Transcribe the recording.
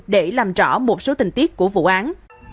để làm rõ một số tình tiết của vụ án